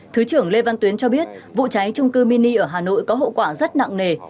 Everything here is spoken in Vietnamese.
thứ trưởng lê văn tuyến cho biết vụ cháy trung cư mini ở hà nội có hậu quả rất nặng nề